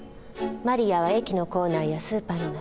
マリアは駅の構内やスーパーの中。